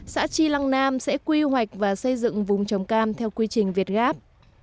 xã tri lăng nam sẽ quy hoạch và xây dựng vùng trồng cam theo quy trình việt gáp